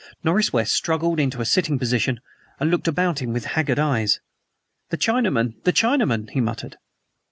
Norris West struggled into a sitting position, and looked about him with haggard eyes. "The Chinamen! The Chinamen!" he muttered.